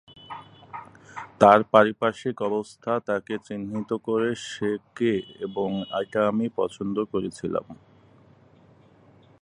তার পারিপার্শ্বিক অবস্থা তাকে চিহ্নিত করে সে কে এবং এটা আমি পছন্দ করেছিলাম।